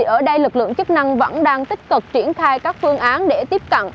ở đây lực lượng chức năng vẫn đang tích cực triển khai các phương án để tiếp cận